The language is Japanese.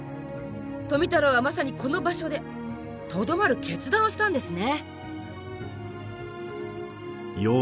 富太郎はまさにこの場所でとどまる決断をしたんですね。